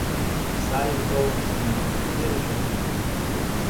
Сайын толын шуна, серыш лекна.